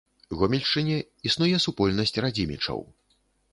Гомельшчыне існуе супольнасць радзімічаў.